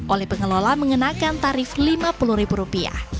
oleh pengelola mengenakan tarif rp lima puluh